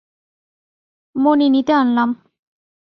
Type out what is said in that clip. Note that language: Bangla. মণি নিতে আনলাম।